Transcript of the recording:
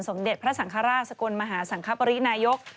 สมเด็จพระสังฆราชสกลมหาสังคปรินายก